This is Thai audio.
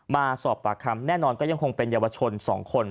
มาสอบปากคำแน่นอนก็ยังคงเป็นเยาวชน๒คน